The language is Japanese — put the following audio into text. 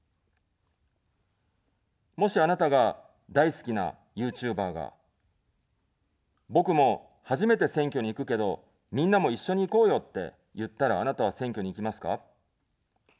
もし、あなたが大好きなＹｏｕＴｕｂｅｒが、僕も初めて選挙に行くけど、みんなも一緒に行こうよって言ったら、あなたは選挙に行きますか。